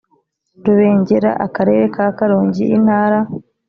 rubengera akarere ka karongi intara